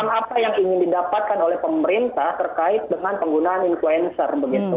apa yang ingin didapatkan oleh pemerintah terkait dengan penggunaan influencer